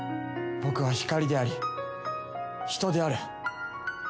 僕は光であり人である。